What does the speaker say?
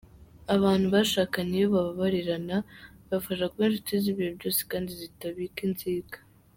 Abantu bashakanye iyo bababarirana bibafasha kuba inshuti z’ibihe byose kandi zitabika inzika.